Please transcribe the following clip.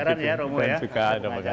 ada pengajaran ya romo ya